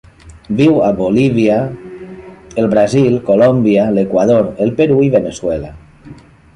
Viu a Bolívia, el Brasil, Colòmbia, l'Equador, el Perú i Veneçuela.